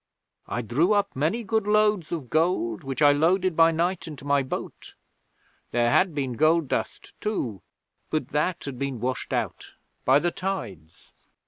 I drew up many good loads of gold, which I loaded by night into my boat. There had been gold dust too, but that had been washed out by the tides.'